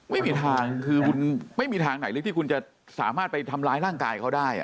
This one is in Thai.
ไม่มีทางคือคุณไม่มีทางไหนเลยที่คุณจะสามารถไปทำร้ายร่างกายเขาได้